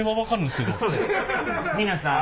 皆さん。